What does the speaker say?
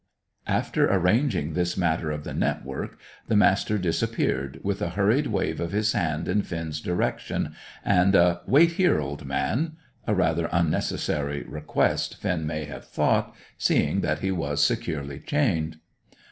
After arranging this matter of the network, the Master disappeared, with a hurried wave of his hand in Finn's direction, and a "Wait there, old man!" a rather unnecessary request Finn may have thought, seeing that he was securely chained.